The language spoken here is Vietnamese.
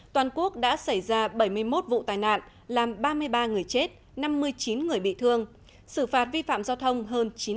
toàn quốc đã xảy ra bảy mươi một vụ tai nạn làm ba mươi ba người chết năm mươi chín người bị thương xử phạt vi phạm giao thông hơn chín trăm tám